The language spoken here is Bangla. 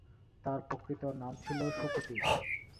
তার প্রকৃত নাম ছিল শুকুতি।